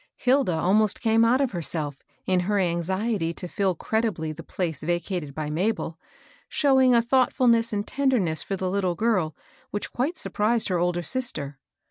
Hilda almost came out of herself, in her anxiety to fill creditably the place vacated by Mabel, showing a thoughtfiilness 112 MABEL ROSS. and tenderness for the little girl which quite sur prised her older sister.